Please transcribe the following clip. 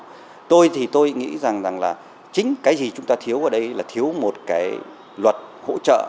thì tôi thì tôi nghĩ rằng rằng là chính cái gì chúng ta thiếu ở đây là thiếu một cái luật hỗ trợ